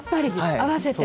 合わせて。